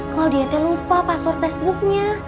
kalau dietnya lupa password facebooknya